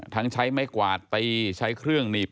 ทั้งใช้ไม้กวาดตีใช้เครื่องหนีบ